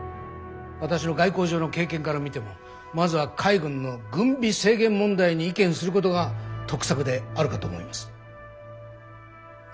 私の外交上の経験から見てもまずは海軍の軍備制限問題に意見することが得策であるかと思います。